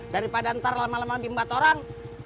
daripada ntar lama lama bimbat orang